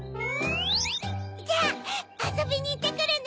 じゃああそびにいってくるね。